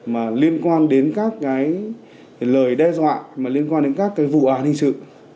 mà liên quan đến các cái lời đe dọa mà liên quan đến các cái vụ án hình sự